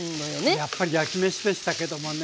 やっぱり焼きめしでしたけどもね。